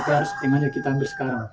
tapi harus tingkatnya kita ambil sekali